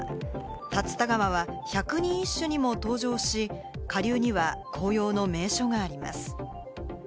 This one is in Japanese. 竜田川は百人一首にも登場し、下流には紅葉の名所があります。